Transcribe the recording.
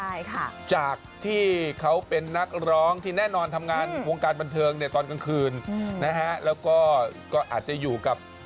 ใช่ค่ะจากที่เขาเป็นนักร้องที่แน่นอนทำงานวงการบันเทิงเนี่ยตอนกลางคืนนะฮะแล้วก็ก็อาจจะอยู่กับ